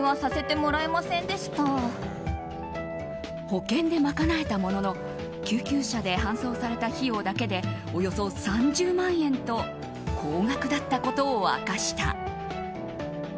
保険で賄えたものの救急車で搬送された費用だけでおよそ３０万円と高額だったことを明かした。